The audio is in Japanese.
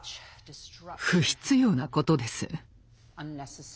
不必要なことです。